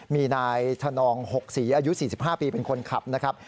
มีนายธนอง๖ศรีอายุ๔๕ปีเป็นคนขับนะครับ